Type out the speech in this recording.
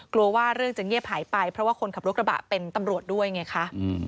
กลัวว่าเรื่องจะเงียบหายไปเพราะว่าคนขับรถกระบะเป็นตำรวจด้วยไงคะ